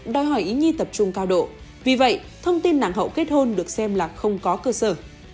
đòi hỏi ý nhi tập trung cao độ vì vậy thông tin nặng hậu kết hôn được xem là không có cơ sở